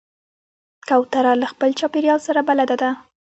کوتره له خپل چاپېریال سره بلد ده.